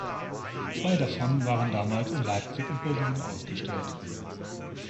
Zwei davon waren damals in Leipzig und Berlin ausgestellt.